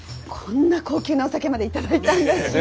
こんな高級なお酒まで頂いたんだし。